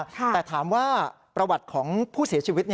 แต่ถามว่าประวัติของผู้เสียชีวิต